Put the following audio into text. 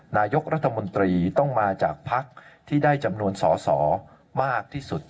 นายกรัฐมนตรีต้องมาจากภักดิ์ที่ได้จำนวนสอสอมากที่สุด